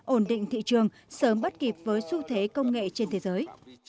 ổn định thị trường sớm bắt kịp với xu thế công nghệ trên thế giới